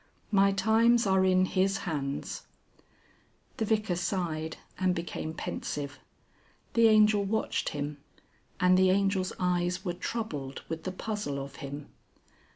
My times are in His hands " The Vicar sighed and became pensive. The Angel watched him, and the Angel's eyes were troubled with the puzzle of him.